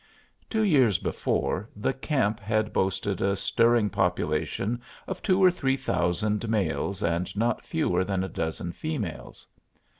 Two years before, the camp had boasted a stirring population of two or three thousand males and not fewer than a dozen females.